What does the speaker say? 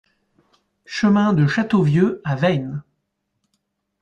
Chemin de Châteauvieux à Veynes